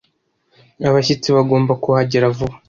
Abashyitsi bagomba kuhagera vuba.